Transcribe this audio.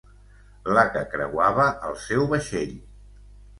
La que creuava el seu vaixell.